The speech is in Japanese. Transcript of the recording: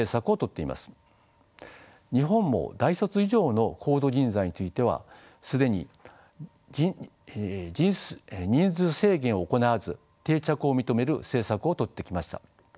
日本も大卒以上の高度人材については既に人数制限を行わず定着を認める政策をとってきました。